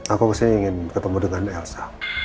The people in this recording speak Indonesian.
aku maksudnya ingin ketemu dengan elsa